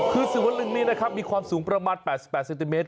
คือสีวะลึงนี้มีความสูงประมาณ๘๘เซติเมตร